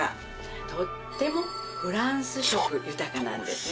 とってもフランス色豊かなんですね